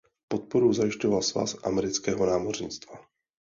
Podporu zajišťoval svaz amerického námořnictva.